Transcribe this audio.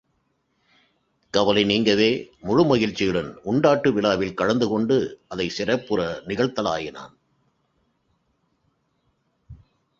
கவலை நீங்கவே முழு மகிழ்ச்சியுடன் உண்டாட்டு விழாவில் கலந்து கொண்டு அதைச் சிறப்புற நிகழ்த்தலாயினான்.